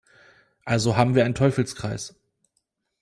Also haben wir einen Teufelskreis.